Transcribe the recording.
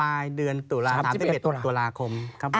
ปลายเดือนตุลาคม๓๑ตุลาคม